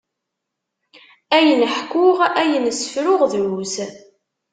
Ayen ḥkuɣ, ayen sefruɣ drus.